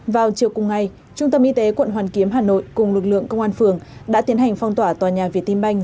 vào chiều cùng ngày trung tâm y tế quận hoàn kiếm hà nội cùng lực lượng công an phường đã tiến hành phong tỏa tòa nhà việt tin banh